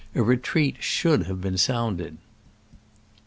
A retreat should have been sounded.